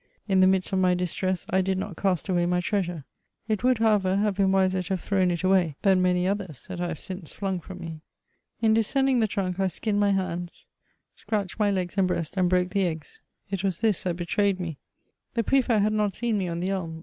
In the midst of my distress, I did not cast away my treasure ; it would however have been wiser to have thrown it away than many others that I have .since flung from me. ' In descending the trunk I skinned my hands, scratched CHATEAUBRIAND. 99 mj \e^ and breast, and broke the eggs ; it was this that be^ trayed me. The Prefect had not seen me on the ebn